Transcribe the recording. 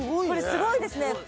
これすごいですね。